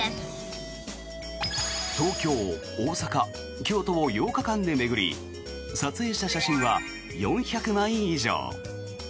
東京、大阪、京都を８日間で巡り撮影した写真は４００枚以上。